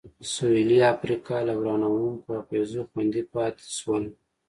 سوېلي افریقا له ورانوونکو اغېزو خوندي پاتې شول.